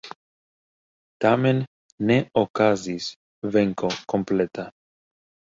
Tamen ne okazis venko kompleta.